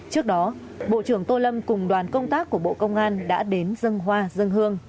trước đó bộ trưởng tô lâm cùng đoàn công tác của bộ công an đã đến dân hoa dân hương